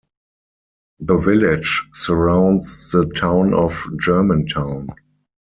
The village surrounds the Town of Germantown.